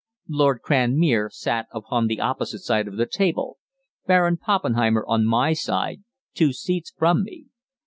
"Lord Cranmere" sat upon the opposite side of the table, "Baron Poppenheimer" on my side, two seats from me.